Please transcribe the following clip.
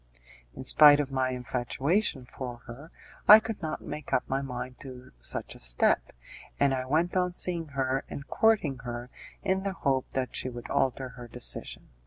In spite of my infatuation for her, I could not make up my mind to such a step, and I went on seeing her and courting her in the hope that she would alter her decision.